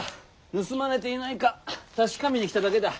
盗まれていないか確かめに来ただけだ。